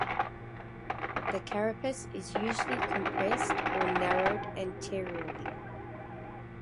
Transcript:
The carapace is usually compressed or narrowed anteriorly.